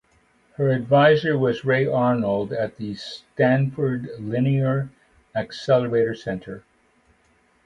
Her advisor was Ray Arnold at the Stanford Linear Accelerator Center.